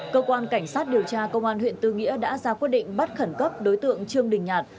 cơ quan cảnh sát điều tra công an huyện tư nghĩa đã ra quyết định bắt khẩn cấp đối tượng trương đình nhạt